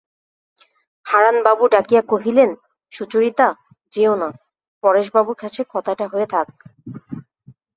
হারানবাবু ডাকিয়া কহিলেন, সুচরিতা, যেয়ো না, পরেশবাবুর কাছে কথাটা হয়ে যাক।